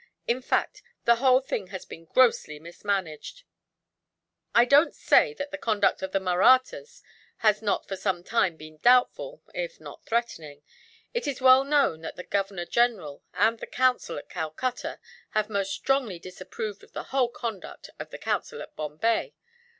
In fact, the whole thing has been grossly mismanaged. "I don't say that the conduct of the Mahrattas has not for some time been doubtful, if not threatening. It is well known that the Governor General and the Council at Calcutta have most strongly disapproved of the whole conduct of the Council at Bombay.